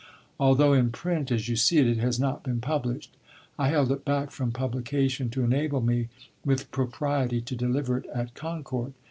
Although in print, as you see, it has not been published. I held it back from publication to enable me, with propriety, to deliver it at Concord.